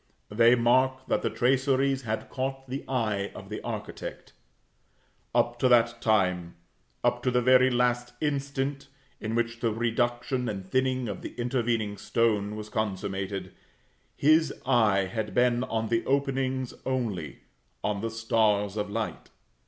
They mark that the traceries had caught the eye of the architect. Up to that time, up to the very last instant in which the reduction and thinning of the intervening stone was consummated, his eye had been on the openings only, on the stars of light.